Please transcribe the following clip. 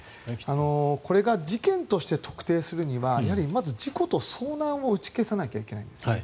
これが事件として特定するにはまず事故と遭難を打ち消さなきゃいけないんですね。